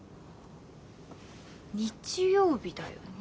日曜日だよね？